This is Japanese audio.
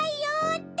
って。